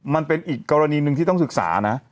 มันเป็นอีกกรณีหนึ่งที่ต้องศึกษานะ